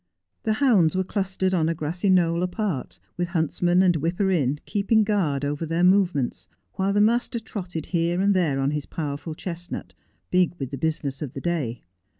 The hounds were clustered on a grassy knoll apart, with huntsman and whipper in keeping guard over their movements, while the master trotted here and there on his power ful chestnut, big with the business of the day.